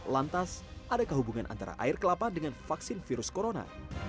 lantas adakah hubungan antara air kelapa dengan vaksin virus corona